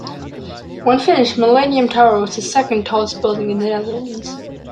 When finished, Millennium Tower was the second tallest building in the Netherlands.